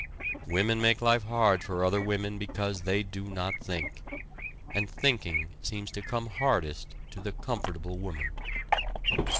Women make life hard for other women because they do not think. And thinking seems to come hardest to the comfortable woman.